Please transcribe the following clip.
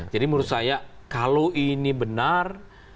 jadi menurut saya kalau ini benar